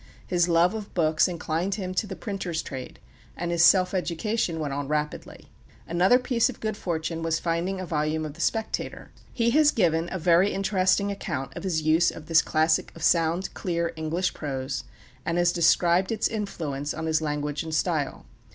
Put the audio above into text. His love of books inclined him to the printer's trade, and his self education went on rapidly. Another piece of good fortune was finding a volume of the Spectator. He has given a very interesting account of his use of this classic of sound, clear English prose, and has described its influence on his language and style.